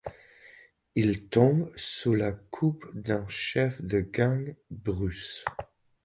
Il tombe sous la coupe d'un chef de gang, Bruce.